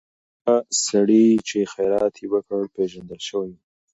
هغه سړی چې خیرات یې وکړ، پېژندل شوی و.